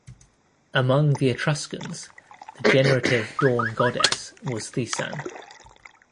Among the Etruscans, the generative dawn-goddess was Thesan.